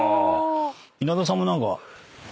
稲田さんも何か。